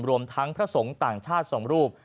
รวมทั้งพระสงฆ์ต่างชาติ๒รูป